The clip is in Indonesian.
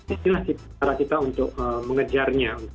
itulah cara kita untuk mengejarnya